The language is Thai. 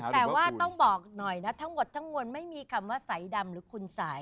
แต่ว่าต้องบอกหน่อยนะทั้งหมดทั้งมวลไม่มีคำว่าสายดำหรือคุณสาย